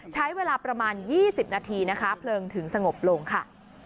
ใช้เวลาประมาณ๒๐นาทีนะคะเพลิงถึงสงบลงค่ะ